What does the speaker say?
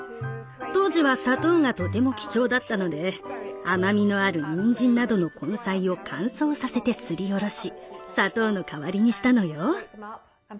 当時は砂糖がとても貴重だったので甘みのあるにんじんなどの根菜を乾燥させてすりおろし砂糖の代わりにしたのよ。